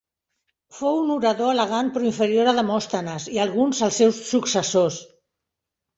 Fou un orador elegant però inferior a Demòstenes i alguns els seus successors.